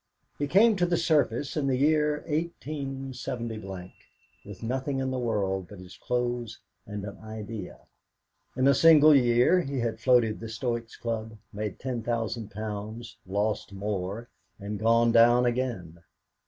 He came to the surface in the year 187 , with nothing in the world but his clothes and an idea. In a single year he had floated the Stoics' Club, made ten thousand pounds, lost more, and gone down again.